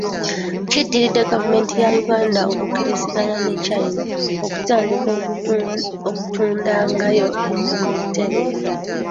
Kiddiridde gavumenti ya Uganda okukkiriziganya ne China okutandika okutundayo ennuuni butereevu.